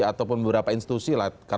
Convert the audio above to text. ataupun beberapa institusi